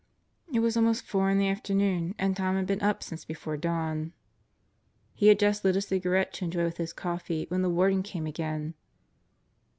It was almost four in the afternoon and Tom had been up since before dawn. He had just lit a cigarette to enjoy with his coffee when the Warden came again.